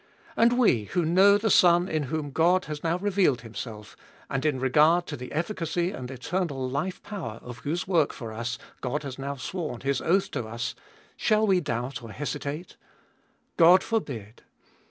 And we, who know the Son in whom God has now revealed Himself, and in regard to the efficacy and eternal life power of whose work for us God has now sworn His oath to us, shall we doubt or hesitate ? God forbid